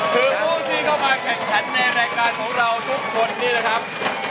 คือผู้ที่เข้ามาแข่งขันในรายการของเราทุกคนนี่แหละครับ